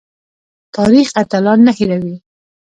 تاریخ اتلان نه هیروي